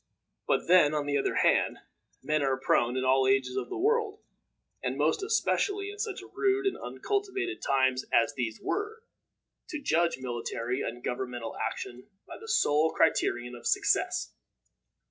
But then, on the other hand, men are prone, in all ages of the world, and most especially in such rude and uncultivated times as these were, to judge military and governmental action by the sole criterion of success.